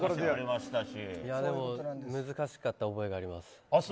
でも難しかった覚えがあります。